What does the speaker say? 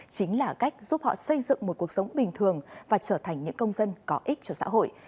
chính là cách giúp họ xây dựng một cuộc sống bình thường và trở thành những công dân có ích cho xã hội